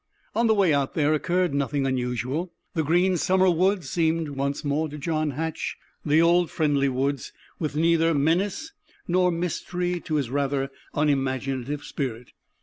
On the way out there occurred nothing unusual. The green summer woods seemed once more to John Hatch the old, friendly woods, with neither menace nor mystery to his rather unimaginative spirit.